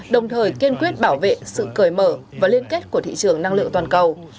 đồng thời kiên quyết bảo vệ sự cởi mở và liên kết của thị trường năng lượng toàn cầu